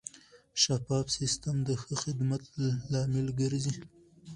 شفاف سیستم د ښه خدمت لامل ګرځي.